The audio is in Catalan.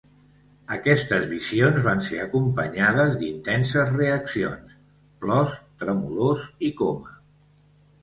Aquestes visions van ser acompanyades d'intenses reaccions: plors, tremolors i coma.